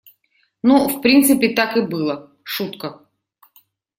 Ну, в принципе, так и было — шутка.